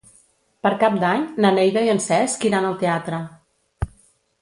Per Cap d'Any na Neida i en Cesc iran al teatre.